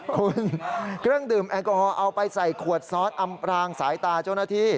คุณเครื่องดื่มแอลกอฮอลเอาไปใส่ขวดซอสอำพรางสายตาเจ้าหน้าที่